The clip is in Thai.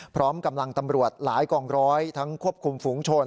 พร้อมกำลังตำรวจหลายกองร้อยทั้งควบคุมฝูงชน